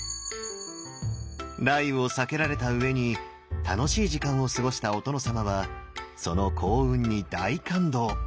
雷雨を避けられたうえに楽しい時間を過ごしたお殿様はその幸運に大感動！